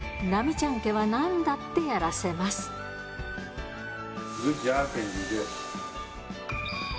でも、ラミちゃん家は、なんだってやらせます。